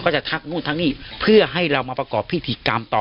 จะทักนู่นทักนี่เพื่อให้เรามาประกอบพิธีกรรมต่อ